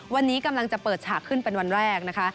วันนี้กำลังจะเปิดฉากขึ้นเป็นวันแรกนะคะ